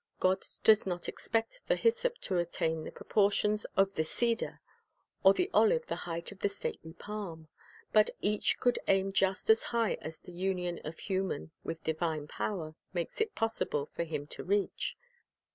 God does not expect the hyssop to attain the proportions of the eedar, or the olive the height of the stately palm. But each should aim just as high as the union of human with divine power makes it possible for him to reach.